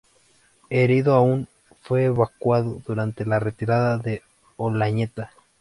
Herido aún, fue evacuado durante la retirada de Olañeta.